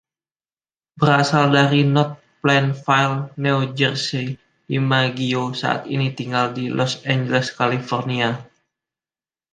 Berasal dari North Plainfield, New Jersey, DiMaggio saat ini tinggal di Los Angeles, California.